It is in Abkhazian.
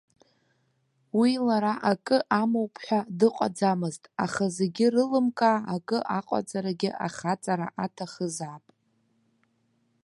Уи лара акы амоуп ҳәа дыҟаӡамызт, аха зегьы рылымкаа акы аҟаҵарагьы ахаҵара аҭахызаап.